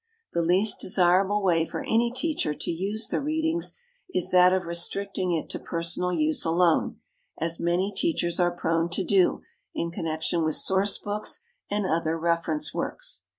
The least desirable way for any teacher to use the "Readings" is that of restricting it to personal use alone, as many teachers are prone to do in connection with source books and other reference works.